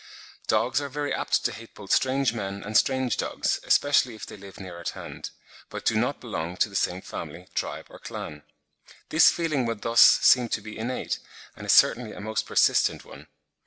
Dogs are very apt to hate both strange men and strange dogs, especially if they live near at hand, but do not belong to the same family, tribe, or clan; this feeling would thus seem to be innate, and is certainly a most persistent one.